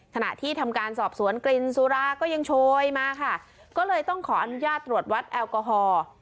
ขณะที่ทำการสอบสวนกลิ่นสุราก็ยังโชยมาค่ะก็เลยต้องขออนุญาตตรวจวัดแอลกอฮอล์